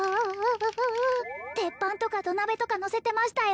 鉄板とか土鍋とかのせてましたよ